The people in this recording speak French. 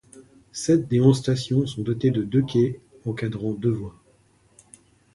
Sept des onze stations sont dotées de deux quais encadrant deux voies.